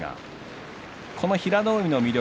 この平戸海の魅力